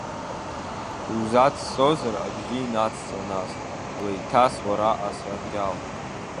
Иузацҵозар, абжьы инацҵа, нас, уеиҭас уара асаркьал…